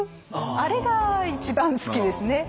あれが一番好きですね。